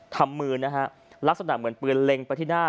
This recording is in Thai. มือนะฮะลักษณะเหมือนปืนเล็งไปที่หน้า